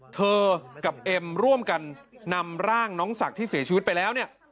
เธอกับเอ็มร่วมกันนำร่างน้องศักดิ์ที่เสียชีวิตไปแล้วเนี่ย